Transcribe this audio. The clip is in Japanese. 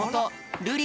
るり